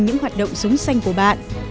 những hoạt động sống xanh của bạn